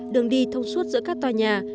đường đi thông suốt giữa các tòa nhà